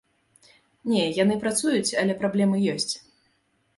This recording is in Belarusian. Не, яны працуюць, але праблемы ёсць.